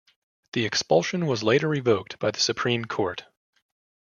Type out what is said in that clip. The expulsion was later revoked by the Supreme Court.